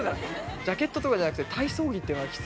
ジャケットとかじゃなくて体操着っていうのがきついよね。